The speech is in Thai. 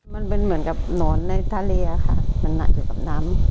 มันเป็นเหมือนกับหนอนในทะเลค่ะมันหนักอยู่กับน้ำ